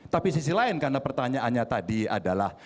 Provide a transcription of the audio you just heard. tapi sisi lain karena pertanyaannya tadi adalah